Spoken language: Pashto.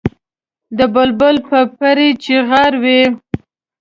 د بلبل به پرې چیغار وي.